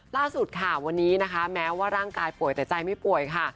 ล่าสุดค่ะวันนี้นะคะแม้ว่าร่างกายป่วยแต่ใจไม่ป่วยค่ะ